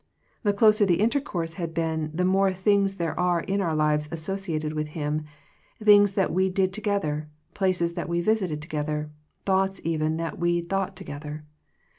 The closer the inter course had been, the more things there are in our lives associated with him— things that we did together, places that we visited together, thoughts even that we thought together.